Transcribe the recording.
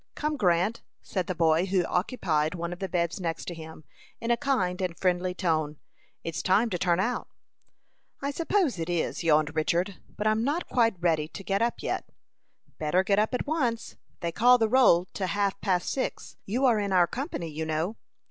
"Come, Grant," said the boy who occupied one of the beds next to him, in a kind and friendly tone, "it's time to turn out." "I suppose it is," yawned Richard, "but I'm not quite ready to get up yet." "Better get up at once. They call the roll to half past six. You are in our company, you know."